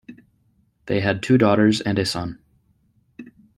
They had two daughters and a son.